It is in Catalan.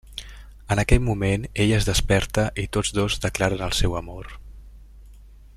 En aquell moment ell es desperta i tots dos declaren el seu amor.